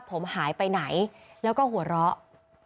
ผมหายไปไหนแล้วก็หัวเราะ